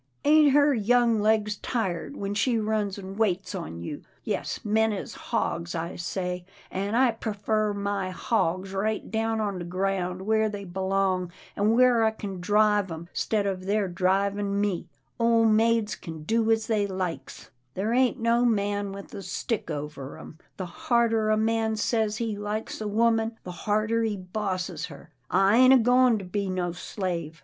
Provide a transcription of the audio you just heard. Ain't her young legs tired when she runs an' waits on you. Yes, men is hogs, I say, an' I prefers my hogs right down on the ground where they belong, an' where I kin drive 'em, 'stead of their drivin' me. Ole maids kin do as they likes. PERLETTA MAKES AN EXPLANATION 307 There ain't no man with a stick over 'em. The harder a man says he Hkes a woman, the harder he bosses her. I ain't a goin' to be no slave.